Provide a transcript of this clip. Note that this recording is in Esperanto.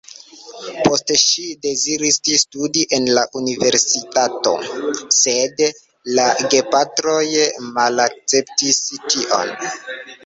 Poste ŝi deziris studi en la universitato, sed la gepatroj malakceptis tion.